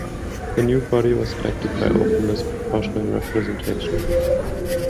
The new body was elected by open list proportional representation.